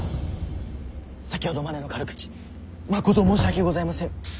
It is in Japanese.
先ほどまでの軽口まこと申し訳ございません。